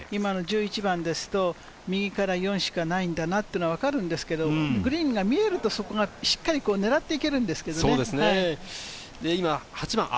１１番ですと右から４しかないんだなっていうのは分かるんですけれど、グリーンが見えると、そこがしっかり狙っていけるんですけどね。